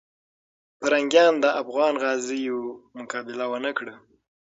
پرنګیان د افغان غازیو مقابله ونه کړه.